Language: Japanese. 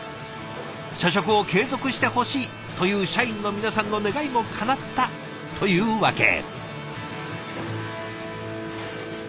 社食を継続してほしいという社員の皆さんの願いもかなったというわけ。